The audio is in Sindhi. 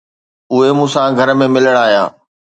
اهي مون سان گهر ۾ ملڻ آيا.